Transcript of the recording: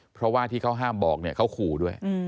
เพราะว่าที่เขาห้ามบอกเนี่ยเขาขู่ด้วย